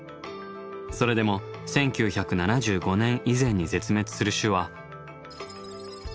それでも１９７５年以前に絶滅する種は。